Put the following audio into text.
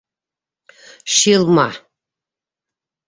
Шилма.